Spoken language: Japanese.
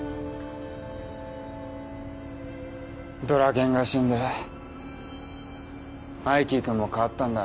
ドラケンが死んでマイキー君も変わったんだ。